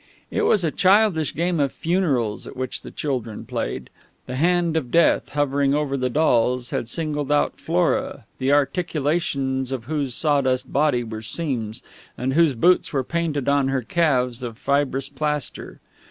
It was a childish game of funerals at which the children played. The hand of Death, hovering over the dolls, had singled out Flora, the articulations of whose sawdust body were seams and whose boots were painted on her calves of fibrous plaster.